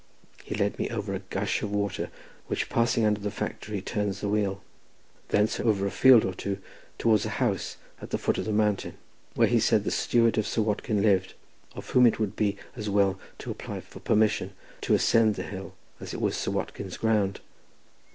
He led me over a gush of water which, passing under the factory, turns the wheel; thence over a field or two towards a house at the foot of the mountain, where he said the steward of Sir Watkin lived, of whom it would be as well to apply for permission to ascend the hill, as it was Sir Watkin's ground.